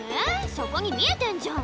そこに見えてんじゃん。